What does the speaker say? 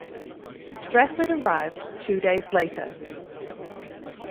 Strafford arrived two days later.